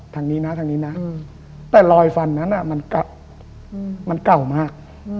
ทางนี้นะทางนี้นะแต่รอยฟันนั้นมันเก่ามาก